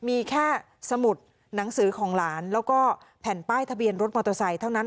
มีแค่สมุดหนังสือของหลานแล้วก็แผ่นป้ายทะเบียนรถมอเตอร์ไซค์เท่านั้น